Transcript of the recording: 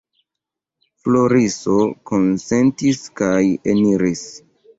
Floriso konsentis kaj eniris.